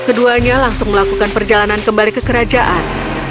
keduanya langsung melakukan perjalanan kembali ke kerajaan